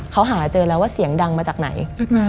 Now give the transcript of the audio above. เขาหาเจอแล้วว่าเสียงดังมาจากไหน